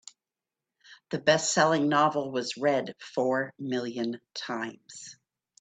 The bestselling novel was read four million times.